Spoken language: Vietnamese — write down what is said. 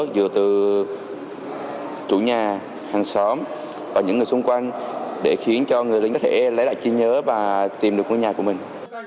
dựa từ chủ nhà hàng xóm và những người xung quanh để khiến cho người lính có thể lấy lại trí nhớ và tìm được ngôi nhà của mình